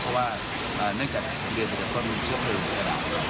เพราะว่าเนื่องจากเรียนไปจากต้นเชื้อเครื่องของกระด่า